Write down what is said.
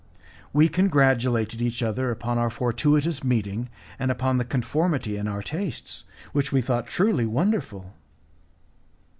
We congratulated each other upon our fortuitous meeting and upon the conformity in our tastes, which we thought truly wonderful.